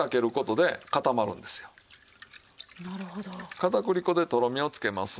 片栗粉でとろみをつけますよ